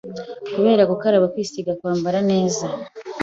kubera gukaraba kwisiga kwambara neza